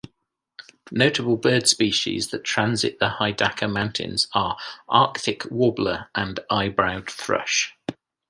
Notable bird species that transit the Hidaka mountains are Arctic warbler and eyebrowed thrush.